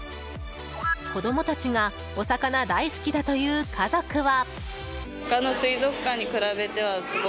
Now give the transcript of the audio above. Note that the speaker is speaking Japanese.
子供たちがお魚大好きだという家族は。